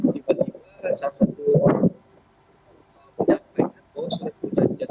tiba tiba salah satu orang menyampaikan bahwasannya